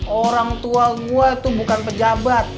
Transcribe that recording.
orang tua gue tuh bukan pejabat